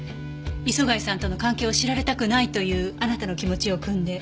磯貝さんとの関係を知られたくないというあなたの気持ちを酌んで。